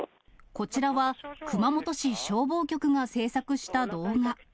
こちらは、熊本市消防局が制作した動画。